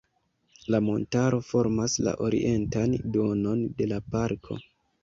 La montaro formas la orientan duonon de la Parko.